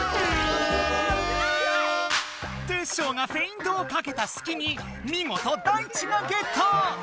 テッショウがフェイントをかけたすきにみごとダイチがゲット！